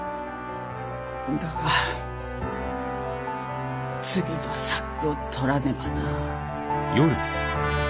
だが次の策を取らねばな。